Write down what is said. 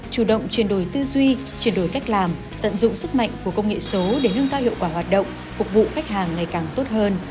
chủ động chuyển đổi tư duy chuyển đổi cách làm tận dụng sức mạnh của công nghệ số để nâng cao hiệu quả hoạt động phục vụ khách hàng ngày càng tốt hơn